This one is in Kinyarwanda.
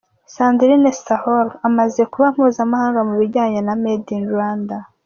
Sandrine Sahorn amaze kuba mpuzamahanga mu bijyanye na Made in Rwanda.